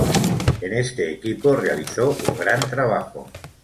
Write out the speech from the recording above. En este equipo realizó un gran trabajo.